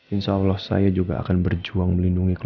insya allah saya juga akan berjuang melindungi keluarga